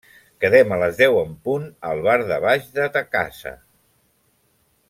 Quedem a les deu en punt al bar de baix de ta casa.